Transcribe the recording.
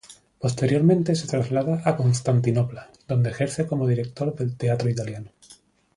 Posteriormente se traslada a Constantinopla, donde ejerce como director del Teatro Italiano.